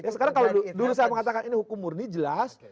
sekarang kalau dulu saya mengatakan ini hukum murni jelas